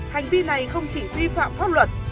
hành vi này không chỉ vi phạm pháp luật